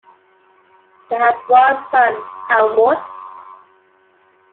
They had one son, Helmut.